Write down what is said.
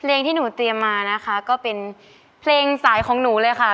ที่หนูเตรียมมานะคะก็เป็นเพลงสายของหนูเลยค่ะ